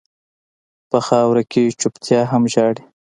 په خاوره کې چپتيا هم ژاړي.